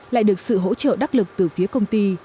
lại được sự hỗ trợ đắc lực từ phía công ty